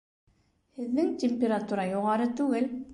Һеҙҙең температура юғары түгел